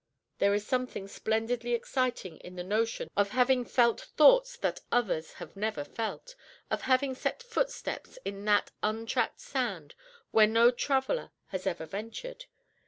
There is something splendidly exciting in the notion of having felt thoughts that others have never felt, of having set footsteps in that un tracked sand where no traveller has ever ventured.